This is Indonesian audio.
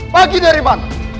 pagi dari mana